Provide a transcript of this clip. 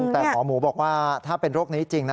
แต่หมอหมูบอกว่าถ้าเป็นโรคนี้จริงนะ